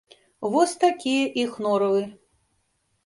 Вось такія іх норавы.